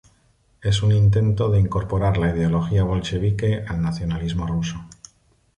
Es un intento de incorporar la ideología bolchevique al nacionalismo ruso.